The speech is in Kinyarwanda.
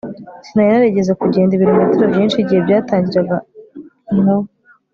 Sinari narigeze kugenda ibirometero byinshi igihe byatangiraga inkuba